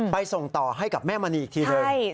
ส่งต่อให้กับแม่มณีอีกทีหนึ่ง